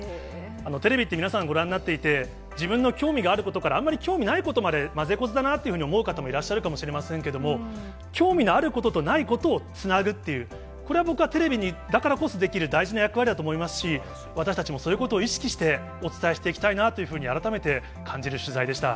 テレビって皆さん、ご覧になっていて、自分の興味があることから、あんまり興味ないことまで混ぜこぜだなぁというふうに思う方もいらっしゃるかもしれませんけれども、興味のあることとないことをつなぐっていう、これは、僕はテレビだからこそできる大事な役割だと思いますし、私たちもそういうことを意識して、お伝えしていきたいなというふうに改めて感じる取材でした。